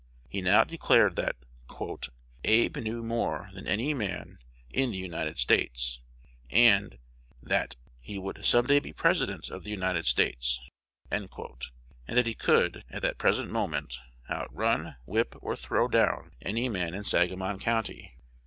He now declared that "Abe knew more than any man in the United States;" that "he would some day be President of the United States," and that he could, at that present moment, outrun, whip, or throw down any man in Sangamon County.